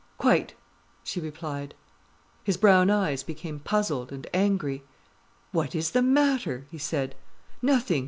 "Quite," she replied. His brown eyes became puzzled and angry. "What is the matter?" he said. "Nothing."